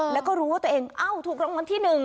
แล้วก็รู้ว่าตัวเองเอ้าถูกรางวัลที่๑